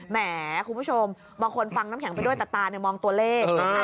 แหมคุณผู้ชมบางคนฟังน้ำแข็งไปด้วยแต่ตามองตัวเลข